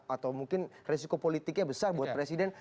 atau mungkin resiko politiknya besar buat presiden